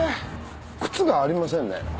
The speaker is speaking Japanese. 靴がありませんね。